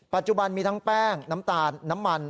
ปัจจุบันมีทั้งแป้งน้ำตาลน้ำมัน